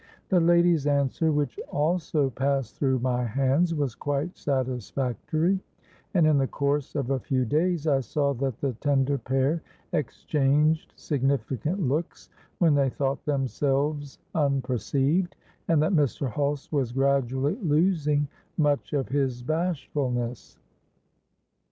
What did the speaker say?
The lady's answer, which also passed through my hands, was quite satisfactory; and in the course of a few days I saw that the tender pair exchanged significant looks when they thought themselves unperceived, and that Mr. Hulse was gradually losing much of his bashfulness.